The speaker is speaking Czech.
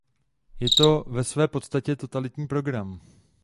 Je to ve své podstatě totalitární program.